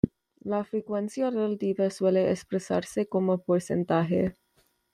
La frecuencia relativa suele expresarse como porcentaje.